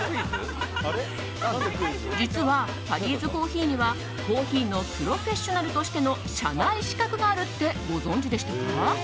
実は、タリーズコーヒーにはコーヒーのプロフェッショナルとしての社内資格があるってご存じでしたか？